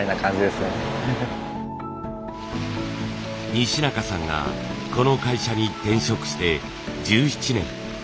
西中さんがこの会社に転職して１７年。